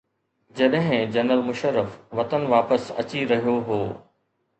جڏهن جنرل مشرف وطن واپس اچي رهيو هو.